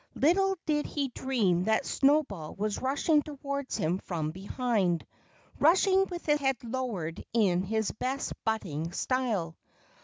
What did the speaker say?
Little did he dream that Snowball was rushing towards him from behind, rushing with head lowered in his best butting style.